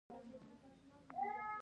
د بیان ځواک او غږیز ښکلا